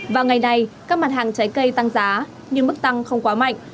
vào ngày này các mặt hàng trái cây tăng giá nhưng mức tăng không quá mạnh